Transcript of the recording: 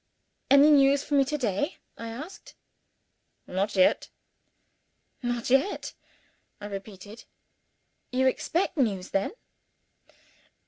"Any news for me to day?" I asked. "Not yet." "Not yet?" I repeated. "You expect news then?"